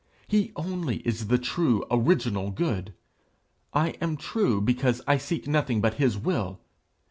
He only is the true, original good; I am true because I seek nothing but his will.